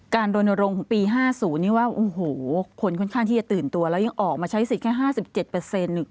รณรงค์ของปี๕๐นี่ว่าโอ้โหคนค่อนข้างที่จะตื่นตัวแล้วยังออกมาใช้สิทธิ์แค่๕๗เปอร์เซ็นต์อีก